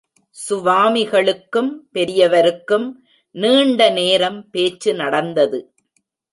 சுவாமிகளுக்கும் பெரியவருக்கும் நீண்ட நேரம் பேச்சு நடந்தது.